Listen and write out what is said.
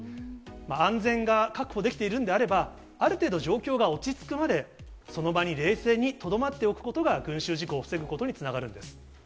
安全が確保できているんであれば、ある程度、状況が落ち着くまで、その場に冷静にとどまっておくことが、群集事故を防ぐことにつながるんです。